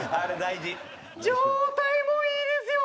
状態もいいですよ。